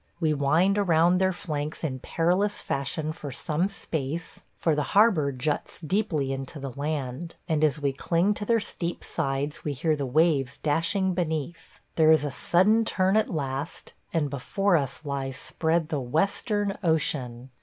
We wind around their flanks in perilous fashion for some space, for the harbor juts deeply into the land, and as we cling to their steep sides we hear the waves dashing beneath. There is a sudden turn at last, and before us lies spread the Western Ocean!